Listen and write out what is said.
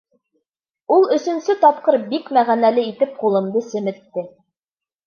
Ул өсөнсө тапҡыр бик мәғәнәле итеп ҡулымды семетте.